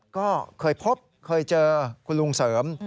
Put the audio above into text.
ก็เคยพบเคยเจอคุณลุงเสริม